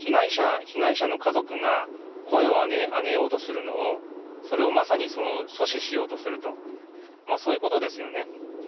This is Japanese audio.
被害者の家族が声を上げようとするのを、それをまさに阻止しようとすると、そういうことですよね。